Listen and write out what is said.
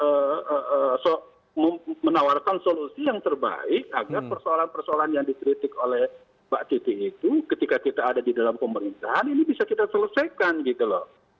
ketika kita ada di dalam pemerintahan ini bisa kita selesaikan gitu loh